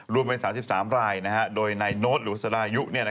รวมเป็น๓๓รายโดยนายโน้ตหรือสรายุ